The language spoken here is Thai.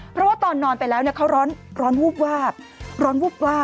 เพราะว่าตอนนอนไปแล้วเขาร้อนวูบวาบร้อนวูบวาบ